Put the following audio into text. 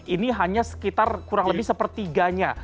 ini hanya sekitar kurang lebih sepertiganya